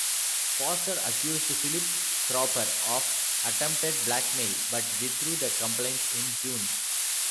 Foster accused Philip Cropper of attempted blackmail, but withdrew the complaints in June.